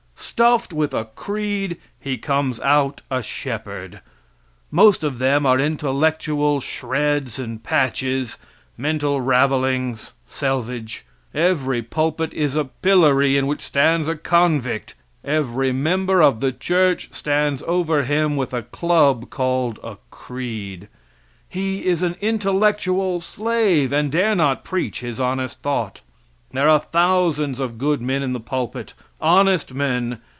Stuffed with a creed, he comes out a shepherd. Most of them are intellectual shreds and patches, mental ravelings, selvage. Every pulpit is a pillory in which stands a convict; every member of the church stands over him with a club, called a creed. He is an intellectual slave, and dare not preach his honest thought. There are thousands of good men in the pulpit, honest men.